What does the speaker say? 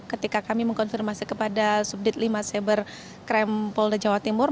ketika kami mengkonfirmasi kepada subdit lima cyber krem polda jawa timur